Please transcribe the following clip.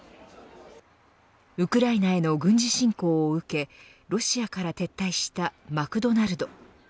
ウクライナへの軍事侵攻を受けロシアから撤退したマクドナルド。